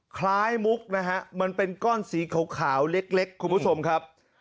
มุกนะฮะมันเป็นก้อนสีขาวเล็กคุณผู้ชมครับ